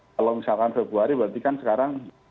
kalau misalkan februari berarti kan sekarang